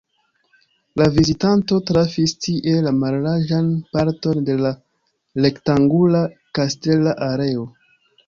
La vizitanto trafis tie la mallarĝan parton de la rektangula kastela areo.